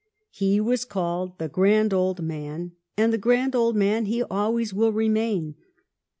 He was called the Grand Old Man and the Grand Old Man he always will remain.